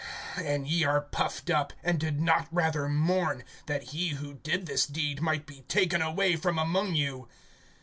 (2)And ye are puffed up, and did not rather mourn, that he who did this deed might be taken away from among you.